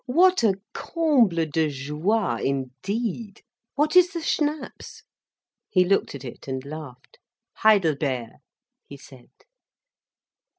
What a comble de joie indeed! What is the Schnapps?" He looked at it, and laughed. "Heidelbeer!" he said.